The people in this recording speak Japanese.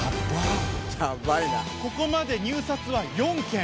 ここまで入札は４件。